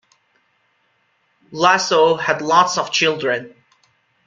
Iaso had lots of children.